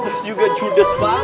terus juga judes banget